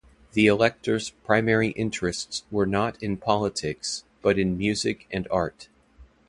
The elector's primary interests were not in politics, but in music and art.